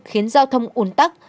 khiến giao thông ồn tắc